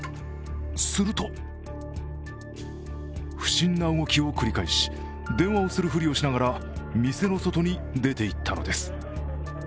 すると不審な動きを繰り返し、電話をするふりをしながら店の外に出ていったのです。